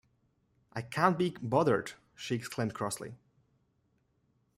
“I can’t be bothered!” she exclaimed crossly.